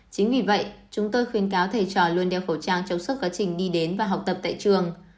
chính vì vậy chúng tôi khuyên cáo thầy trò luôn đeo khẩu trang trong suốt quá trình đi đến và học tập tại trường